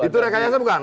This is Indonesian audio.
itu rekayasa bukan